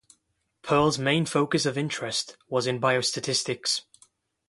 Pearl's main focus of interest was in biostatistics.